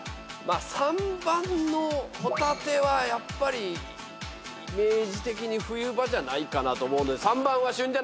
３番のホタテはやっぱりイメージ的に冬場じゃないかなと思うんで３番は。